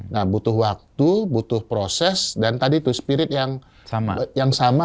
nah butuh waktu butuh proses dan tadi itu spirit yang sama